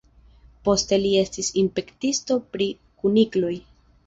Poste li estis inspektisto pri kunikloj.